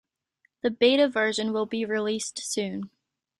The Beta version will be released soon.